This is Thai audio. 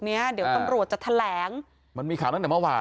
เนี้ยเดี๋ยวตำรวจจะแถลงมันมีข่าวตั้งแต่เมื่อวาน